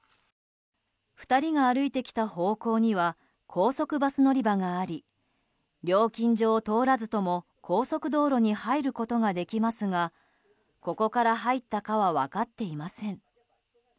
２人が歩いてきた方向には高速バス乗り場があり料金所を通らずとも高速道路に入ることができますがここから入ったかは分かっていません。